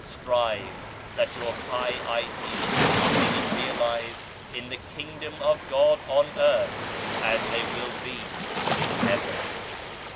Strive that your high ideals may be realized in the Kingdom of God on Earth, as they will be in Heaven.